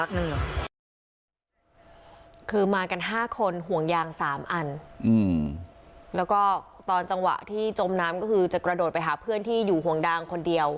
คือมากัน๕คนห่วงยาง๓อันแล้วก็ตอนจังหวะที่จมน้ำก็คือจะกระโดดไปหาเพื่อนที่อยู่ห่วงยางคนเดียว